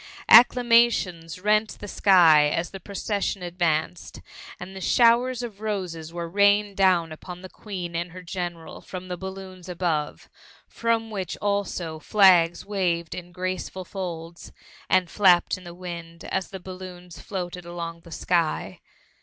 Acclamations r^it the sky as the procession advanced, and showers of roses were rained down upon the Queen and her Gfeneral from the balloons above; from which, also, flags waved in graceful folds, md flapped in the wind, as the balloons floated along the sky.